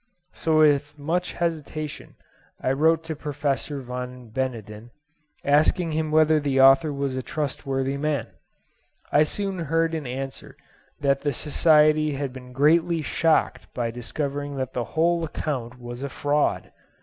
So with much hesitation I wrote to Professor Van Beneden, asking him whether the author was a trustworthy man. I soon heard in answer that the Society had been greatly shocked by discovering that the whole account was a fraud.